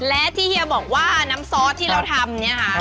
และที่เฮียบอกว่าน้ำซอสที่เราทำเนี่ยค่ะ